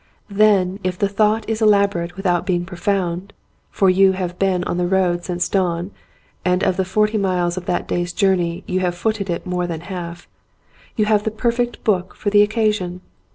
Then if the thought is elaborate without being profound (for you have been on the road since dawn and of the forty miles of the day's journey you have footed it more than half) you have the perfect book for the occasion.